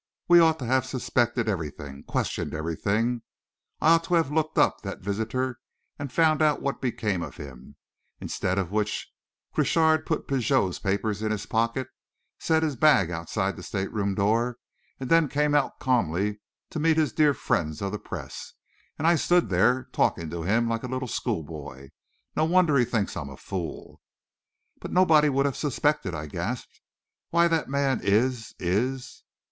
We ought to have suspected everything, questioned everything; I ought to have looked up that visitor and found out what became of him. Instead of which, Crochard put Pigot's papers in his pocket, set his bag outside the stateroom door, and then came out calmly to meet his dear friends of the press; and I stood there talking to him like a little schoolboy no wonder he thinks I'm a fool!" "But nobody would have suspected!" I gasped. "Why, that man is is...."